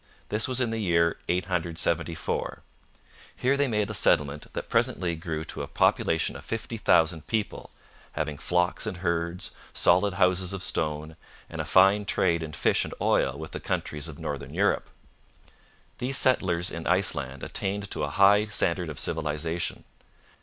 This was in the year 874. Here they made a settlement that presently grew to a population of fifty thousand people, having flocks and herds, solid houses of stone, and a fine trade in fish and oil with the countries of Northern Europe. These settlers in Iceland attained to a high standard of civilization.